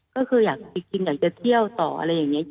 ก็คือจริงอยากจะเที่ยวต่ออะไรอย่างนี้